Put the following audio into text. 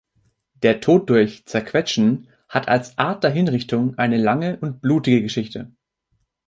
Der Tod durch "Zerquetschen" hat als Art der Hinrichtung eine lange und blutige Geschichte.